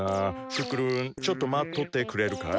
クックルンちょっと待っとってくれるかい？